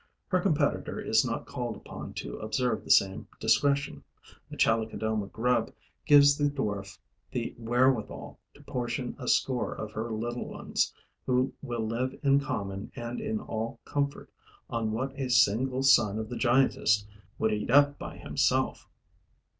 Her competitor is not called upon to observe the same discretion. A Chalicodoma grub gives the dwarf the wherewithal to portion a score of her little ones, who will live in common and in all comfort on what a single son of the giantess would eat up by himself.